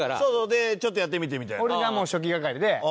でちょっとやってみてみたいな。